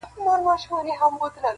چي د حق پړی یې غاړي ته زیندۍ کړ -